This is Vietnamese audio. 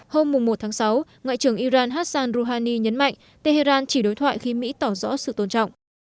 hôm một sáu ngoại trưởng iran hassan rouhani nhấn mạnh tehran chỉ đối thoại khi mỹ tỏ rõ sự tôn trọng